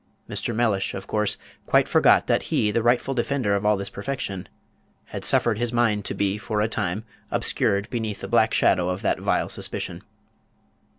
Mr. Mellish, of course, quite forgot that he, the rightful defender of all this perfection, had suffered his mind to be for a time obscured beneath the black shadow of that vile suspicion.